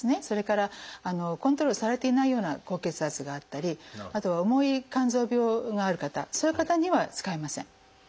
それからコントロールされていないような高血圧があったりあと重い肝臓病がある方そういう方には使えません。